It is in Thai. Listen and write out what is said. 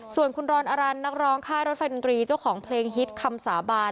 ส่วนคุณรอนอรันนักร้องค่ายรถแฟนดนตรีเจ้าของเพลงฮิตคำสาบาน